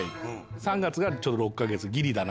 ３月がちょうど６か月ギリだな！